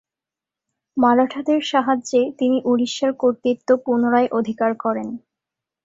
মারাঠাদের সাহায্যে তিনি উড়িষ্যার কর্তৃত্ব পুনরায় অধিকার করেন।